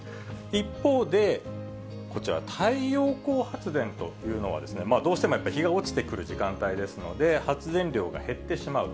一方で、こちら、太陽光発電というのは、どうしてもやっぱり日が落ちてくる時間帯ですので、発電量が減ってしまう。